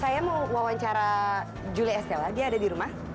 saya mau wawancara juli estella dia ada di rumah